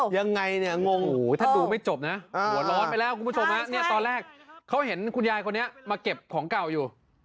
ยังไงงงถ้าดูไม่จบนะหัวร้อนไปเราครูพี่ตอนเด่นนี่ตอนแรกเขาเห็นว่าคุณยายเก็บของเก่าอยู่